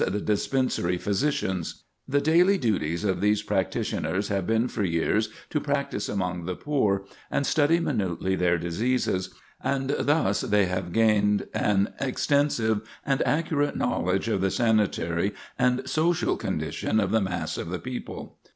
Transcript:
the dispensary physicians. The daily duties of these practitioners have been for years to practice among the poor, and study minutely their diseases; and thus they have gained an extensive and accurate knowledge of the sanitary and social condition of the mass of the people.